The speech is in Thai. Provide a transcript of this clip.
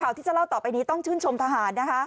ที่จะเล่าต่อไปนี้ต้องชื่นชมทหารนะคะ